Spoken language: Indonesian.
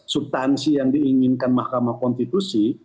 subtansi yang diinginkan mahkamah konstitusi